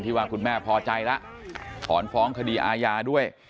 ว่าคุณแม่พอใจแล้วถอนฟ้องคดีอาญาด้วย